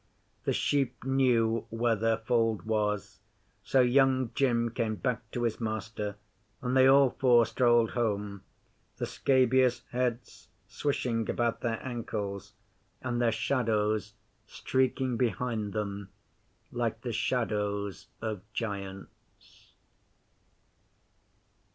The sheep knew where their fold was, so Young Jim came back to his master, and they all four strolled home, the scabious heads swishing about their ankles, and their shadows streaking behind them like the shadows of giants.